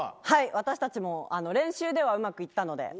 私たちも練習ではうまくいったので。